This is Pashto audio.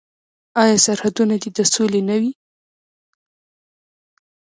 آیا سرحدونه دې د سولې نه وي؟